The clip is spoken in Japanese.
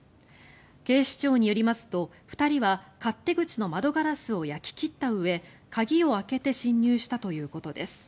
警視庁によりますと２人は勝手口の窓ガラスを焼き切ったうえ鍵を開けて侵入したということです。